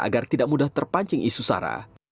agar tidak mudah terpancing isu sara